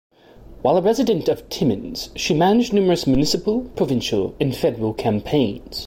While a resident of Timmins, she managed numerous municipal, provincial and federal campaigns.